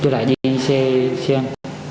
tôi lại đi xe xe ăn